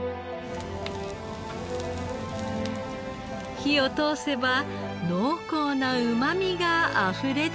火を通せば濃厚なうまみがあふれ出てきます。